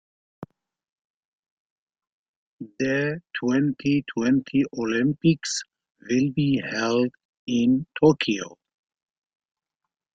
The twenty-twenty Olympics will be held in Tokyo.